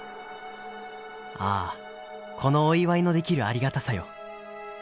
ああこのお祝いのできるありがたさよ。